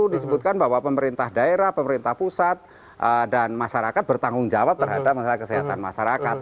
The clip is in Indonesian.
disebutkan bahwa pemerintah daerah pemerintah pusat dan masyarakat bertanggung jawab terhadap masalah kesehatan masyarakat